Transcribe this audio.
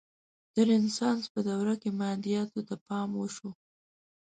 د رنسانس په دوره کې مادیاتو ته پام وشو.